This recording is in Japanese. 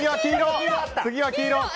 次は黄色！